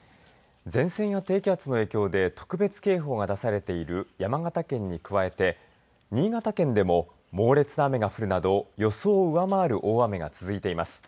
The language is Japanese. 前線や低気圧の影響で特別警報が出されている山形県に加えて新潟県でも猛烈な雨が降るなど予想を上回る大雨が続いています。